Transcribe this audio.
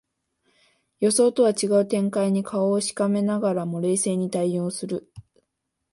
予想とは違う展開に顔をしかめながらも冷静に対応する